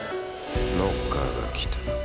ノッカーが来た。